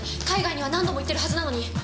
海外には何度も行ってるはずなのに。